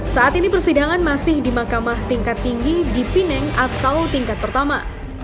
saat ini persidangan masih di mahkamah tingkat tinggi di pineng atau tingkat pertama